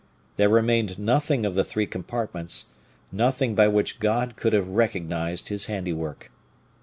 There remained nothing of the three compartments nothing by which God could have recognized His handiwork.